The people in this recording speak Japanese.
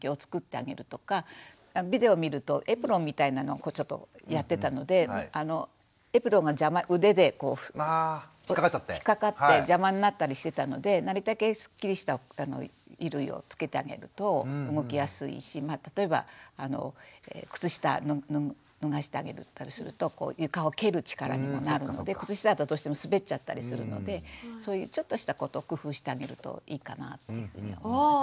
ビデオ見るとエプロンみたいなのちょっとやってたのでエプロンが腕でこう引っ掛かって邪魔になったりしてたのでなるたけすっきりした衣類を着けてあげると動きやすいし例えば靴下脱がしてあげたりすると床を蹴る力にもなるので靴下だとどうしても滑っちゃったりするのでそういうちょっとしたことを工夫してあげるといいかなというふうに思います。